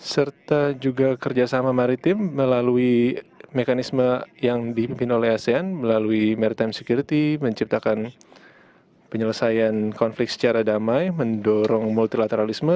serta juga kerjasama maritim melalui mekanisme yang dipimpin oleh asean melalui maritime security menciptakan penyelesaian konflik secara damai mendorong multilateralisme